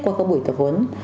qua các buổi tập huấn